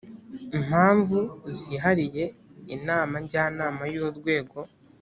mpamvu zihariye inama njyanama y urwego